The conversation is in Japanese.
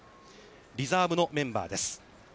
リザーブのメンバーです。